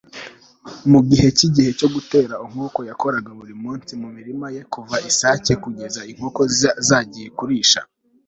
mugihe cyigihe cyo gutera okonkwo yakoraga buri munsi mumirima ye kuva isake kugeza inkoko zagiye kurisha